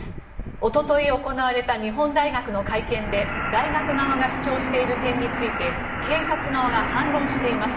一昨日、行われた日本大学の会見で大学側が主張している点について警察側が反論しています。